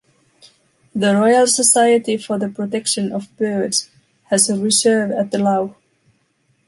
The Royal Society for the Protection of Birds has a reserve at the lough.